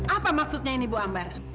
apa maksudnya ini bu ambar